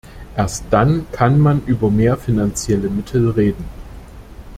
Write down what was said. Erst dann kann man über mehr finanzielle Mittel reden.